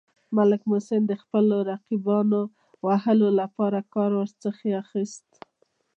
ملک محسن د خپلو رقیبانو د وهلو لپاره کار ورڅخه اخیست.